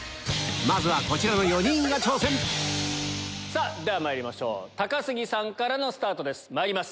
まずはこちらの４人が挑戦ではまいりましょう高杉さんからのスタートです。